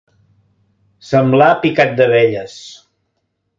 Semblar picat d'abelles.